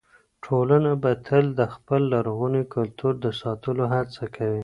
ټولنه به تل د خپل لرغوني کلتور د ساتلو هڅه کوي.